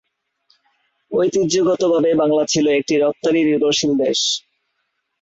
ঐতিহ্যগতভাবে বাংলা ছিল একটি রফতানি নির্ভরশীল দেশ।